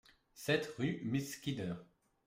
sept rue Miss Skinner